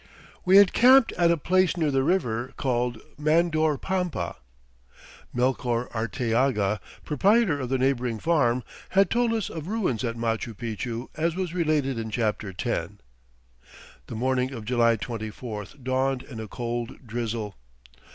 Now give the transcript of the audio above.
We had camped at a place near the river, called Mandor Pampa. Melchor Arteaga, proprietor of the neighboring farm, had told us of ruins at Machu Picchu, as was related in Chapter X. The morning of July 24th dawned in a cold drizzle.